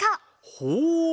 ほう。